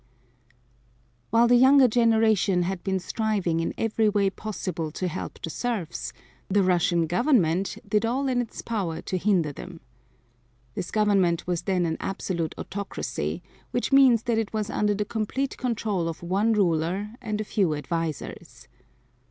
While the younger generation had been striving in every way possible to help the serfs, the Russian Government did all in its power to hinder them. This government was then an absolute autocracy, which means that it was under the complete control of one ruler and a few advisors.